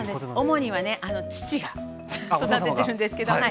主にはね父が育ててるんですけどはい。